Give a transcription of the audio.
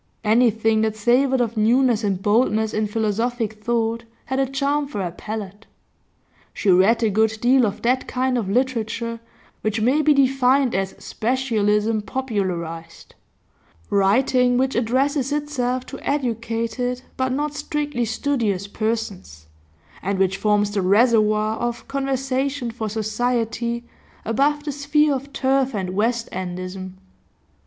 Anything that savoured of newness and boldness in philosophic thought had a charm for her palate. She read a good deal of that kind of literature which may be defined as specialism popularised; writing which addresses itself to educated, but not strictly studious, persons, and which forms the reservoir of conversation for society above the sphere of turf and west endism.